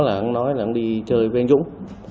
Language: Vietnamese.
ông nói đi chơi với anh dũng